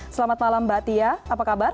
selamat malam mbak tia apa kabar